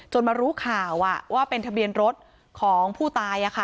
มารู้ข่าวว่าเป็นทะเบียนรถของผู้ตาย